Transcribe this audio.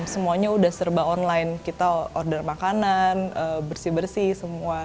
semuanya udah serba online kita order makanan bersih bersih semua